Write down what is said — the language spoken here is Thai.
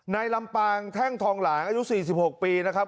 ในลำปางแท่งทองหลางอายุสี่สิบหกปีนะครับ